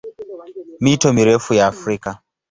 Mito mirefu ya Afrika